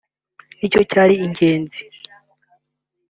nicyo cyari ingenzi